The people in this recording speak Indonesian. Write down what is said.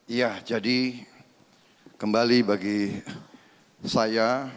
iya jadi kembali bagi saya